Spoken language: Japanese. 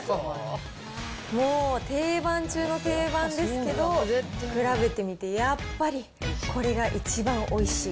もう定番中の定番ですけど、比べてみてやっぱりこれが一番おいしい。